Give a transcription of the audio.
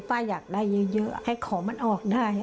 ป้าอยากได้เยอะให้ของมันออกได้